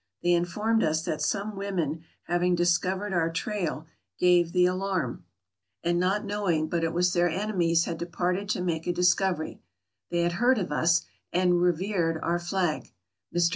They informed us that some women having discovered our trail gave the alarm, 137 138 TRAVELERS AND EXPLORERS and not knowing but it was their enemies had departed to make a discovery. They had heard of us, and revered our flag. Mr.